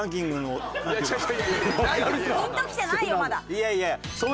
いやいや。